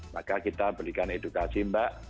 maka kita berikan edukasi mbak